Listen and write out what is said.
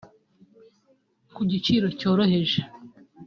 kugiciro cyoroheje